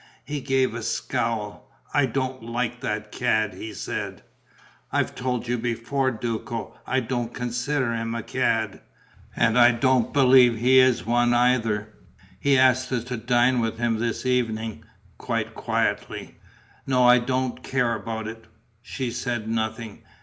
He gave a scowl: "I don't like that cad," he said. "I've told you before, Duco. I don't consider him a cad. And I don't believe he is one either. He asked us to dine with him this evening, quite quietly." "No, I don't care about it." She said nothing.